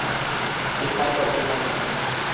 ইসমাইল পরে সুলতান হন।